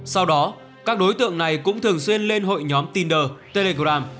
sau đó các đối tượng này cũng thường xuyên lên hội nhóm tiner telegram